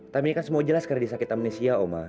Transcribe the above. tapi ini kan semua jelas karena dia sakit amnesia oma